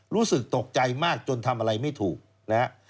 รู้สึกตกใจมากจนทำอะไรไม่ถูกนะฮะ